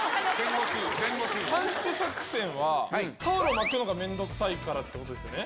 パンツ作戦は、タオル巻くのが面倒くさいってことですよね。